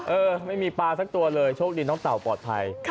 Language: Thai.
เออไม่มีปลาสักตัวเลยโชคดีน้องเต่าปลอดภัย